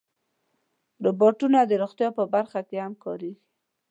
روبوټونه د روغتیا په برخه کې هم کارېږي.